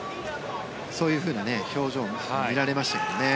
そういうふうな表情も見られましたよね。